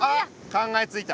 考えついた。